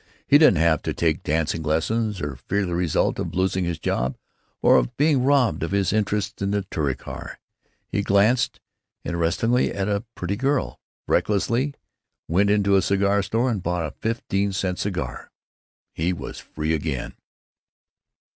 He didn't have to take dancing lessons or fear the results of losing his job, or of being robbed of his interests in the Touricar. He glanced interestedly at a pretty girl; recklessly went into a cigar store and bought a fifteen cent cigar. He was free again.